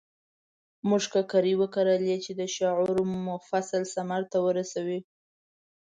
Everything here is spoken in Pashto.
موږ ککرې وکرلې چې د شعور فصل ثمر ته ورسوي.